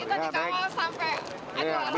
kita dikawal sampai